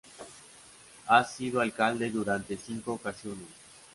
Ha sido alcalde durante cinco ocasiones.